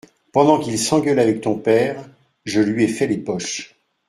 Pendant qu’il s’engueulait avec ton père, je lui ai fait les poches.